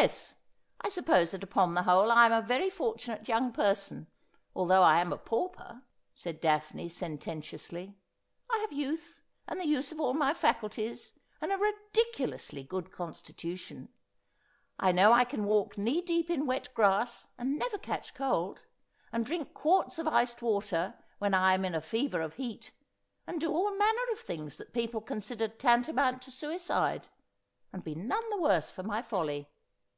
' Yes ; I suppose that upon the whole I am a very fortunate young person, although I am a pauper,' said Daphne sententi ously. ' I have youth, and the use of all my faculties, and a ridiculously good constitution. I know I can walk knee deep in wet grass and never catch cold, and drink quarts of iced water when I am in a fever of heat, and do all manner of things that people consider tantamount to suicide, and be none the worse for my folly.